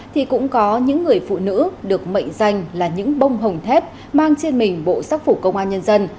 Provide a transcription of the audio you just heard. thì cũng có những người phụ nữ được mệnh danh là những bông hồng thép mang trên mình bộ sắc phục công an nhân dân